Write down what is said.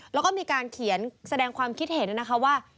แล้วก็มีการเขียนแสดงความคิดเห็นนะคะว่า